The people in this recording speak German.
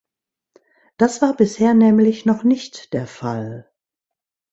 Das war bisher nämlich noch nicht der Fall.